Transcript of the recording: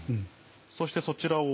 そしてそちらを。